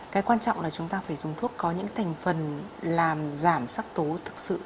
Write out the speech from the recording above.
cái quan trọng là chúng ta phải dùng thuốc có những thành phần làm giảm sắc tố thực sự